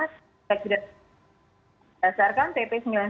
sejak sudah berdasarkan tp sembilan puluh sembilan tahun dua ribu dua belas